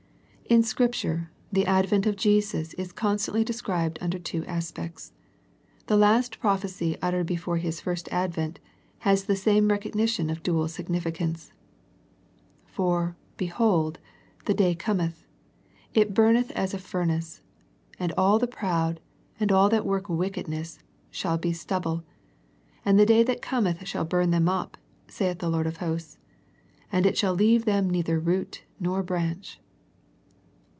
In Scripture the advent of Jesus is con stantly described under two aspects. The last prophecy uttered before His first advent, has the same recognition of dual significance. *' For, behold, the day cometh, it burneth as a furnace ; and all the proud, and all that work wickedness, shall be stubble ; and the day that cometh shall burn them up, saith the Lord of Hosts, that it shall leave them neither root nor branch."